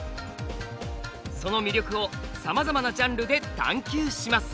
その魅力をさまざまなジャンルで探究します。